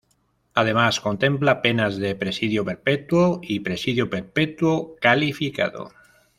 Además contempla penas de "Presidio Perpetuo" y "Presidio Perpetuo Calificado".